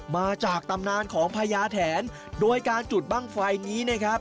มาจากตำนานของพญาแถนโดยการจุดบ้างไฟนี้นะครับ